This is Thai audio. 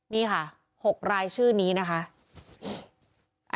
นี่ค่ะ๖รายชื่อนี้นะคะ